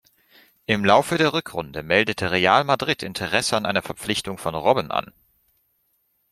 Im Laufe der Rückrunde meldete Real Madrid Interesse an einer Verpflichtung von Robben an.